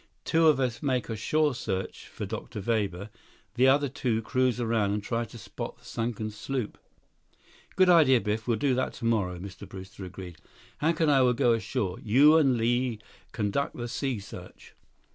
"Two of us make a shore search for Dr. Weber, the other two cruise around and try to spot the sunken sloop?" "Good idea, Biff. We'll do that tomorrow," Mr. Brewster agreed. "Hank and I will go ashore. You and Li conduct the sea search."